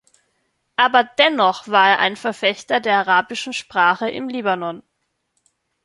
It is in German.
Aber dennoch war er ein Verfechter der arabischen Sprache im Libanon.